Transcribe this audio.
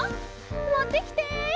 もってきて。